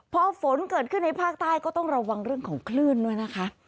พอฝนเกิดขึ้นในภาคใต้ก็ต้องระวังเรื่องของคลื่นด้วยนะคะ